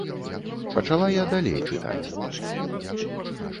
Пачала я далей чытаць.